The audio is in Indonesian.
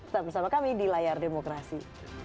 tetap bersama kami di layar demokrasi